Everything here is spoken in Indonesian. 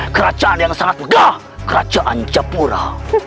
kerajaan yang sangat megah kerajaan capura